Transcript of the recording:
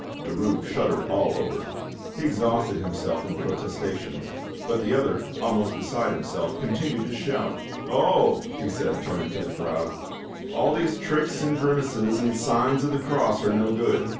Derues shuddered all over; he exhausted himself in protestations; but the other, almost beside himself, continued to shout. "Oh!" he said, turning to the crowd, "all these tricks and grimaces and signs of the cross are no good.